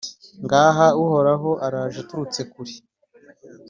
Ngaha Uhoraho araje aturutse kure,